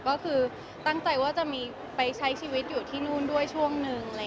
ก็คือตั้งใจว่าจะมีไปใช้ชีวิตอยู่ที่นู่นด้วยช่วงนึง